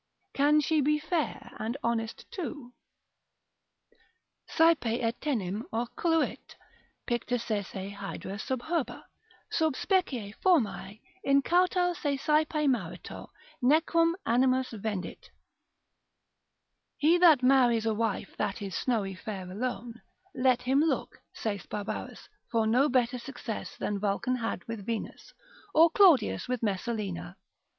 Can she be fair and honest too? Saepe etenim oculuit picta sese hydra sub herba, Sub specie formae, incauto se saepe marito Nequam animus vendit,——— He that marries a wife that is snowy fair alone, let him look, saith Barbarus, for no better success than Vulcan had with Venus, or Claudius with Messalina.